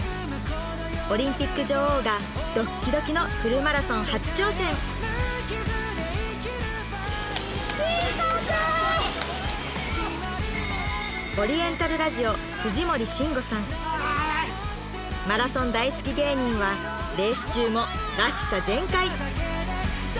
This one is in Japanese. オリンピック女王がドッキドキのフルマラソン初挑戦マラソン大好き芸人はレース中もらしさ全開